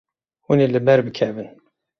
Hûn ê li ber bikevin.